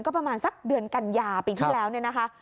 ก็ประมาณสักเดือนกันยาปีที่แล้วเนี่ยนะคะ